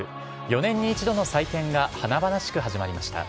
４年に１度の祭典が華々しく始まりました。